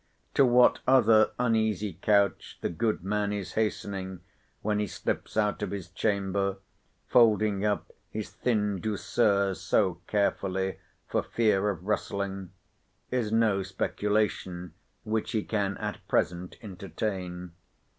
To what other uneasy couch the good man is hastening, when he slips out of his chamber, folding up his thin douceur so carefully for fear of rustling—is no speculation which he can at present entertain.